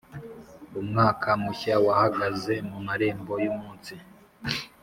umwaka mushya wahagaze mu marembo yumunsi,